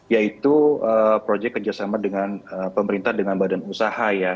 yaitu projek kerjasama dengan pemerintah dengan badan usaha